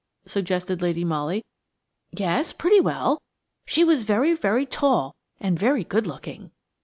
suggested Lady Molly. "Yes, pretty well. She was very, very tall, and very good looking."